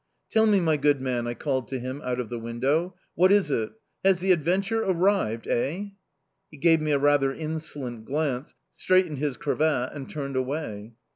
"Tell me, my good man," I called to him out of the window. "What is it? Has the 'Adventure' arrived, eh?" He gave me a rather insolent glance, straightened his cravat, and turned away.